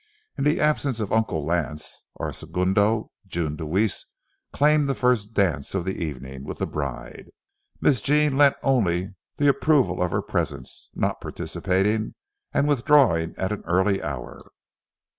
In the absence of Uncle Lance, our segundo, June Deweese, claimed the first dance of the evening with the bride. Miss Jean lent only the approval of her presence, not participating, and withdrawing at an early hour.